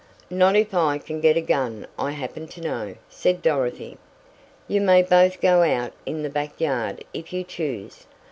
"Not if I can get a gun I happen to know," said Dorothy. "You may both go out in the back yard if you choose.